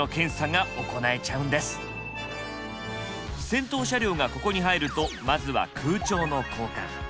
先頭車両がここに入るとまずは空調の交換。